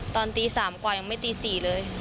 ตอนตีสามกว่ายังไม่ตีสี่เลย